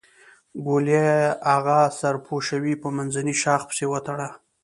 ګوليه اغه سر پوشوې په منځني شاخ پسې وتړه.